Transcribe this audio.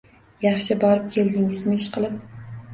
Yaxshi borib keldingizmi, ishqilib